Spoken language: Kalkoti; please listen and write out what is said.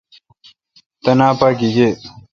تینا پا گییں۔